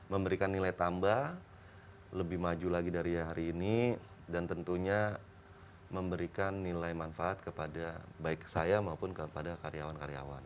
memberikan nilai tambah lebih maju lagi dari hari ini dan tentunya memberikan nilai manfaat kepada baik saya maupun kepada karyawan karyawan